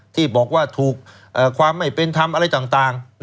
ที่บอกว่าถูกความไม่เป็นธรรมอะไรต่าง